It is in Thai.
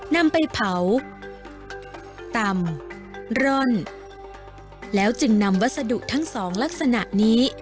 นำไปเผาตำร่อนแล้วจึงนำวัสดุทั้งสองลักษณะนี้